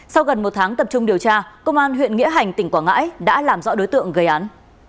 sau gần một tháng tập trung điều tra công an huyện nghĩa hành tỉnh quảng ngãi đã làm rõ đối tượng gây án